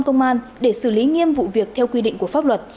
công an để xử lý nghiêm vụ việc theo quy định của pháp luật